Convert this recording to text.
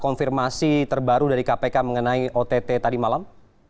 konfirmasi terbaru dari kpk mengenai ott tadi malam